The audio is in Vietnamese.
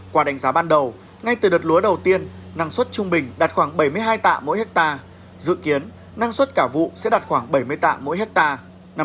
qua đánh giá ban đầu ngay từ đợt lúa đầu tiên năng suất trung bình đạt khoảng bảy mươi hai tạ mỗi hectare dự kiến năng suất cả vụ sẽ đạt khoảng bảy mươi tạ mỗi hectare